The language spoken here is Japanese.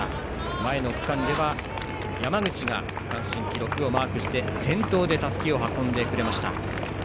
前の区間では、山口が区間新記録をマークして先頭でたすきを運んでくれました。